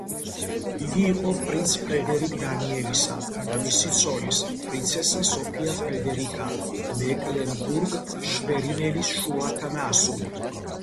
იგი იყო პრინც ფრედერიკ დანიელისა და მისი ცოლის, პრინცესა სოფია ფრედერიკა მეკლენბურგ-შვერინელის შუათანა ასული.